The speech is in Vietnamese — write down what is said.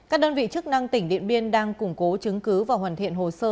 an vị chức năng tỉnh điện biên đang củng cố chứng cứ và hoàn thiện hồ sơ